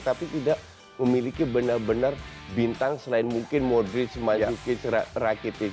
tapi tidak memiliki benar benar bintang selain mungkin modric mandukic rakitic